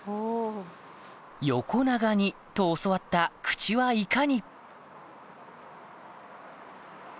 「横長に」と教わった「口」はいかに？